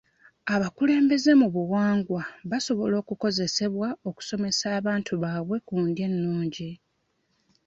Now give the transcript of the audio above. Abakulembeze mu buwangwa basobola okukozesebwa okusomesa abantu baabwe ku ndya ennungi.